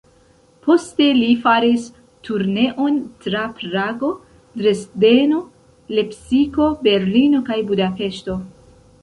Poste, li faris turneon tra Prago, Dresdeno, Lepsiko, Berlino kaj Budapeŝto.